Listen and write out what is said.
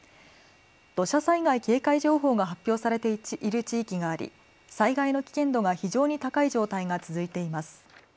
土砂災害警戒情報が発表されている地域があり災害の危険度が非常に高い状態が続いています。